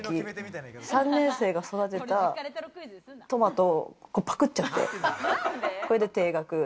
３年生が育てたトマトをパクっちゃって、それで停学。